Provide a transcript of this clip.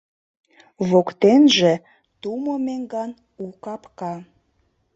Воктенже — тумо меҥган у капка.